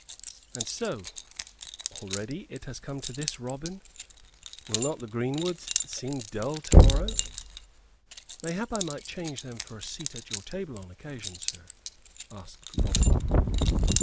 And so already it has come to this, Robin? Will not the greenwoods seem dull to morrow?" "Mayhap I might change them for a seat at your table on occasion, sir?" asked Robin.